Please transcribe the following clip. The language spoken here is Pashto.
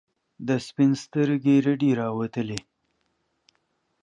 د سپین سترګي رډي راووتلې.